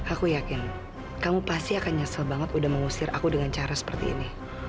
aku yakin kamu pasti akan nyesel banget udah mengusir aku dengan cara seperti ini